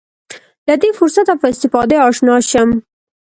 له دې فرصته په استفادې اشنا شم.